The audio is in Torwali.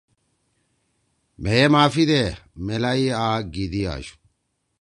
مھیئے معافی دے! میلائی آ گیِدی آشُو۔